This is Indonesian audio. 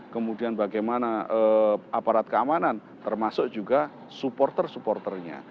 kemudian bagaimana aparat keamanan termasuk juga supporter supporternya